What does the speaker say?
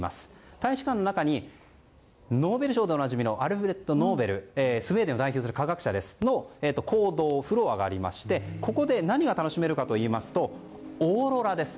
大使館の中にノーベル賞でおなじみのアルフレッド・ノーベルスウェーデンを代表する科学者の講堂フロアがありましてここで何が楽しめるかといいますとオーロラです。